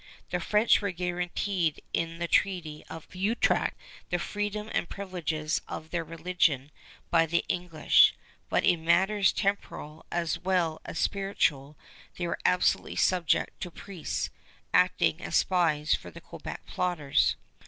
The French were guaranteed in the Treaty of Utrecht the freedom and privileges of their religion by the English; but in matters temporal as well as spiritual they were absolutely subject to priests, acting as spies for the Quebec plotters.